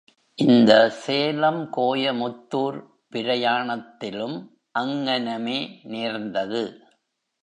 இந்த சேலம் கோயமுத்தூர் பிராயணத்திலும் அங்ஙனமே நேர்ந்தது.